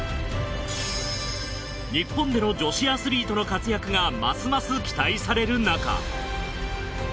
日本での女子アスリートの活躍がますます期待されるなか